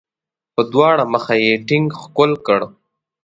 په دواړه مخه یې ټینګ ښکل کړ.